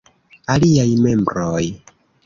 Aliaj membroj.